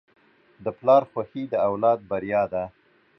د پلار خوښي د اولاد بریا ده.